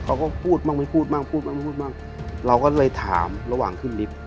เขาก็พูดบ้างไม่พูดบ้างเราก็เลยถามระหว่างขึ้นลิฟท์